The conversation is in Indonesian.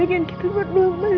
yang ini tuh berapa dont nqrk